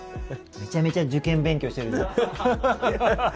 めちゃめちゃ受験勉強してる。